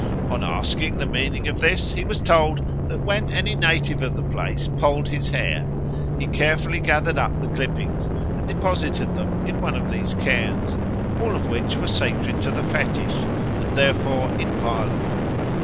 On asking the meaning of this, he was told that when any native of the place polled his hair he carefully gathered up the clippings and deposited them in one of these cairns, all of which were sacred to the fetish and therefore inviolable.